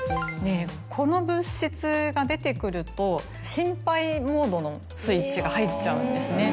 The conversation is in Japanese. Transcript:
この物質が出てくると心配モードのスイッチが入っちゃうんですね。